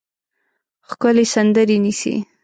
ښکلې سندرې نیسي